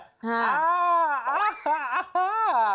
อ่าอ้าาาาาา